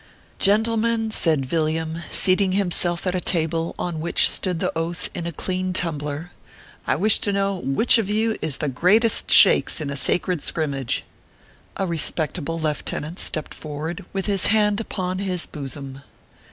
" Gentlemen," said Villiam, seating himself at a table, on which stood the Oath and a clean tumbler ;" I wish to know which of you is the greatest shakes in a sacred skrimmage." A respectable lef tenant stepped forward with his hand upon his boozum.